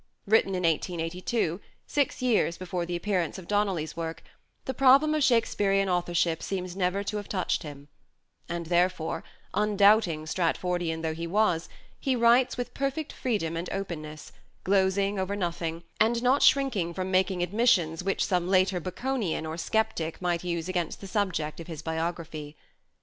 Writing in 1882, six years before the appearance of Donnelly's work, the problem of Shakespearean authorship seems never to have touched him ; and therefore, undoubting Stratfordian though he was, he writes with perfect freedom and openness, glozing over nothing, and not shrinking from making admissions which some later Baconian or sceptic might use against the subject of his biography.